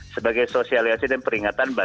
sebagai sosialisasi dan peringatan